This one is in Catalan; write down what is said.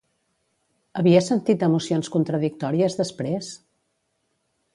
Havia sentit emocions contradictòries després?